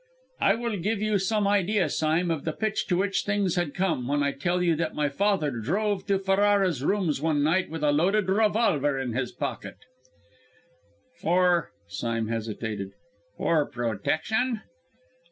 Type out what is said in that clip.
"It will give you some idea, Sime, of the pitch to which things had come, when I tell you that my father drove to Ferrara's rooms one night, with a loaded revolver in his pocket " "For" Sime hesitated "for protection?"